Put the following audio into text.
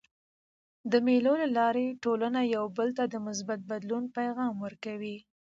د مېلو له لاري ټولنه یو بل ته د مثبت بدلون پیغام ورکوي.